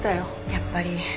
やっぱり。